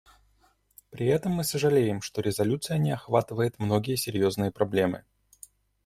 При этом мы сожалеем, что резолюция не охватывает многие серьезные проблемы.